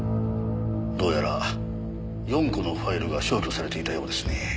どうやら４個のファイルが消去されていたようですね。